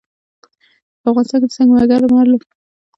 په افغانستان کې د سنگ مرمر لپاره طبیعي شرایط مناسب دي.